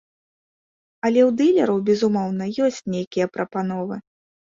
Але ў дылераў, безумоўна, ёсць нейкія прапановы.